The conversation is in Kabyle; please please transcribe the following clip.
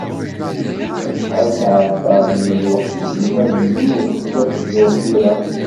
Acḥal tesεeddaḍ n lweqt deg inadiyen uqbel ad tebduḍ tira?